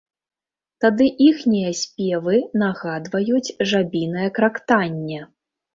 Тады іхнія спевы нагадваюць жабінае крактанне.